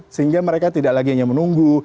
sehingga mereka tidak lagi hanya menunggu